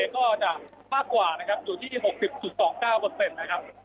ก็จะมากกว่านะครับอยู่ที่หกสิบสุดสองเก้าเปอร์เซ็นต์นะครับ